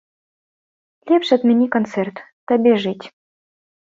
Лепш адмяні канцэрт, табе жыць.